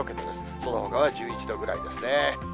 そのほかが１１度ぐらいですね。